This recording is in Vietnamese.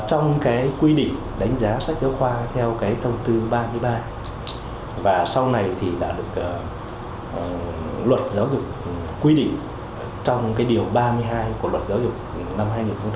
trong cái quy định đánh giá sách giáo khoa theo cái thông tư ba mươi ba và sau này thì đã được luật giáo dục quy định trong cái điều ba mươi hai của luật giáo dục năm hai nghìn một mươi ba